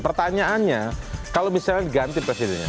pertanyaannya kalau misalnya diganti presidennya